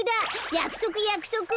やくそくやくそく！